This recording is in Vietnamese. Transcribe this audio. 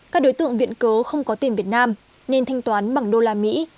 các đối tượng viện cớ không có tiền việt nam nên thanh toán bằng đô la mỹ